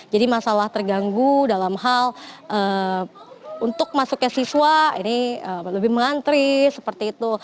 jadi masalah terganggu dalam hal untuk masuknya siswa ini lebih mantri seperti itu